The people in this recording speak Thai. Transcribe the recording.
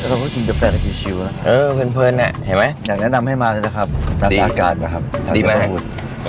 แล้วเราก็กินเตอร์แฟนกับจิลชิวอะอยากแนะนำให้มานะครับจัดอาการนะครับถามข้อมูล